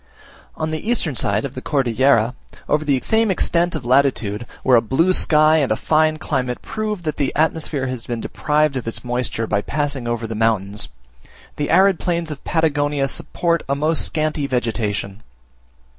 On the eastern side of the Cordillera, over the same extent of latitude, where a blue sky and a fine climate prove that the atmosphere has been deprived of its moisture by passing over the mountains, the arid plains of Patagonia support a most scanty vegetation.